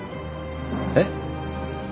えっ？